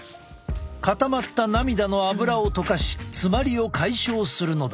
固まった涙のアブラを溶かし詰まりを解消するのだ。